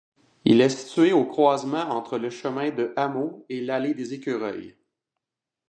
Il est situé au croisement entre le chemin de Hameau et l'allée des Écureuils.